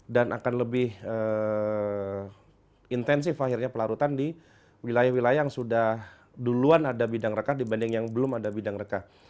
dan akan lebih intensif akhirnya pelarutan di wilayah wilayah yang sudah duluan ada bidang rekah dibanding yang belum ada bidang rekah